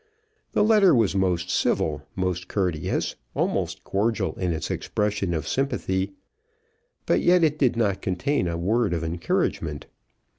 The letter was most civil, most courteous, almost cordial in its expression of sympathy; but yet it did not contain a word of encouragement.